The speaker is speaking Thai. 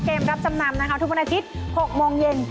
เกมรับจำนำทุกวันอาทิตย์๖โมงเย็น